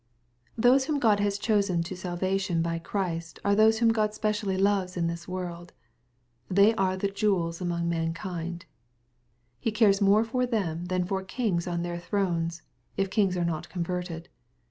Those whom God has chosen to salvation by Christy are those whom Gtod specially loves in this world, f They are the jewels among .mankind. ^He cares more for them than for kings on their thrones, h kings are not converted.